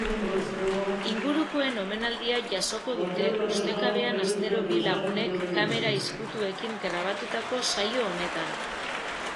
Ingurukoen omenaldia jasoko dute ustekabean astero bi lagunek kamera iztukuekin grabatutako saio honetan.